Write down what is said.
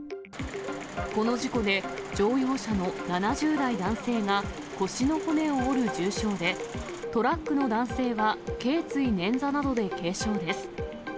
この事故で、乗用車の７０代男性が腰の骨を折る重傷で、トラックの男性はけい椎捻挫などで軽傷です。